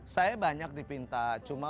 saya banyak dipinta cuma